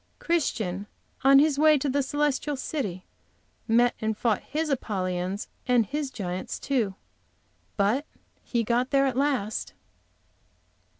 Christian, on his way to the celestial city, met and fought his Apollyons and his giants, too; but he got there at last!